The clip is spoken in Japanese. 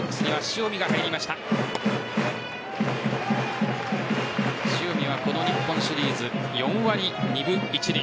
塩見はこの日本シリーズ４割２分１厘。